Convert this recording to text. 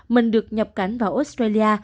mình được nhập cảnh vào australia